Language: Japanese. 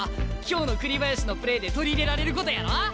今日の栗林のプレーで取り入れられることやろ？